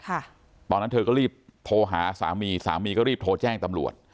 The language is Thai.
ตอนนั้นเธอก็รีบโทรหาสามีสามีก็รีบโทรแจ้งตำรวจ